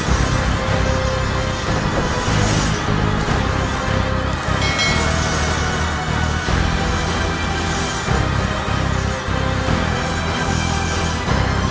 ini bukan catalog